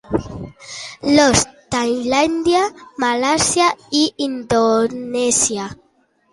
Laos, Tailàndia, Malàisia i Indonèsia.